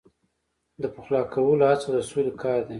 د پخلا کولو هڅه د سولې کار دی.